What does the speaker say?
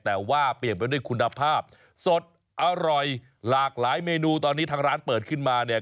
แต่ว่าเปลี่ยนไปด้วยคุณภาพสดอร่อยหลากหลายเมนูตอนนี้ทางร้านเปิดขึ้นมาเนี่ย